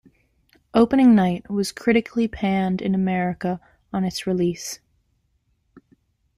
"Opening Night" was critically panned in America on its release.